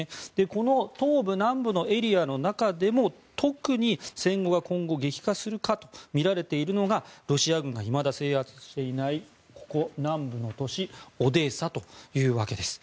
この東部、南部のエリアの中でも特に今後戦闘が激化するかとみられているのがロシア軍がいまだ制圧していない南部の都市オデーサとなります。